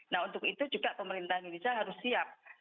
nah untuk itu juga pemerintah indonesia harus siap